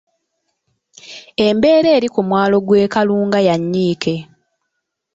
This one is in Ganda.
Embeera eri ku mwalo gw’e Kalunga ya nnyiike.